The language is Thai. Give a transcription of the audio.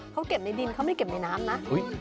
เขาเก็บในดินเขาไม่ได้เก็บในน้ำนะ